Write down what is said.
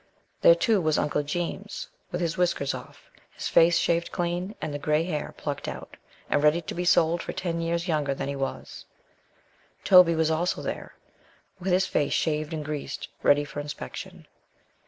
There, too, was "Uncle Geemes," with his whiskers off, his face shaved clean, and the grey hair plucked out, and ready to be sold for ten years younger than he was. Toby was also there, with his face shaved and greased, ready for inspection.